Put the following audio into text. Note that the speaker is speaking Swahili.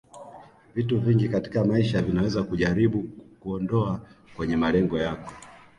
Vitu vingi katika maisha vinaweza kujaribu kukuondoa kwenye malengo yako